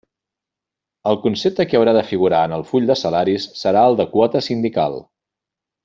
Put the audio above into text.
El concepte que haurà de figurar en el full de salaris serà el de “Quota sindical”.